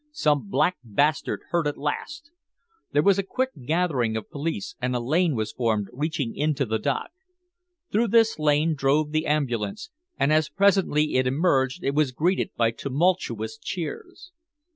"Some black bastard hurt at last!" There was a quick gathering of police and a lane was formed reaching into the dock. Through this lane drove the ambulance, and as presently it emerged it was greeted by tumultuous cheers.